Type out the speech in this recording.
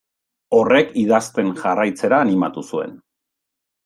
Horrek idazten jarraitzera animatu zuen.